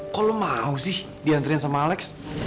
kok lo mau sih diantriin sama alex